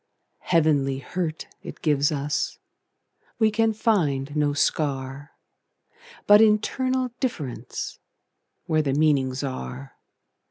Heavenly hurt it gives us; We can find no scar, But internal differenceWhere the meanings are.